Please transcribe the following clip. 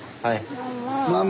ママ。